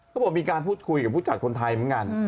เขาบอกมีการพูดคุยกับผู้จัดคนไทยเหมือนกัน